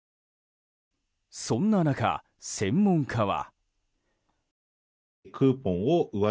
そんな中、専門家は。